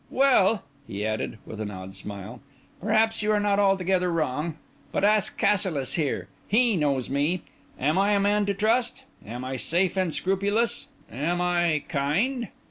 Well," he added, with an odd smile, "perhaps you are not altogether wrong. But ask Cassilis here. He knows me. Am I a man to trust? Am I safe and scrupulous? Am I kind?"